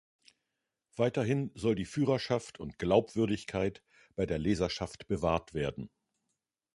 Weiterhin soll die Führerschaft und Glaubwürdigkeit bei der Leserschaft bewahrt werden.